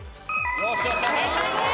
正解です。